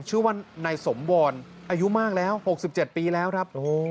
ชื่อว่านายสมวรอายุมากแล้ว๖๗ปีแล้วครับ